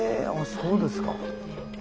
そうですか。